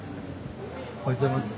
おはようございます。